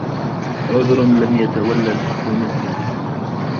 عذر لم يتول الحق نسجه